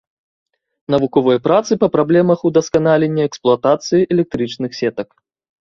Навуковыя працы па праблемах удасканалення эксплуатацыі электрычных сетак.